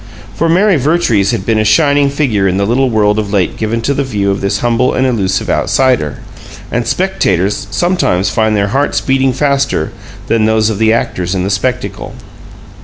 For Mary Vertrees had been a shining figure in the little world of late given to the view of this humble and elusive outsider, and spectators sometimes find their hearts beating faster than those of the actors in the spectacle.